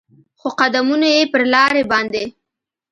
خو قدمونو یې پر لارې باندې